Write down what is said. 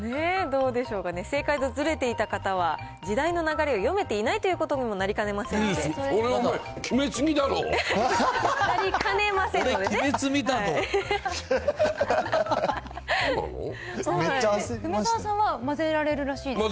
どうでしょうかね、正解とずれていた方は、時代の流れを読めていないということにもなりかねませんので。